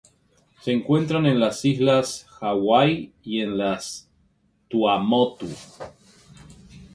Se encuentran en las Islas Hawaii y en las Tuamotu.